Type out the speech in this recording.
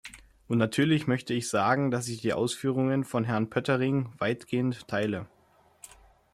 Und natürlich möchte ich sagen, dass ich die Ausführungen von Herrn Poettering weitgehend teile.